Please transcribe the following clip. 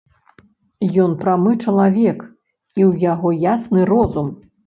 Ён прамы чалавек, і ў яго ясны розум.